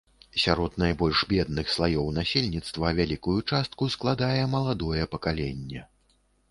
Сярод найбольш бедных слаёў насельніцтва вялікую частку складае маладое пакаленне.